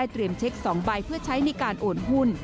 เตรียมเช็คสองใบเพื่อใช้ในการโอนหุ้น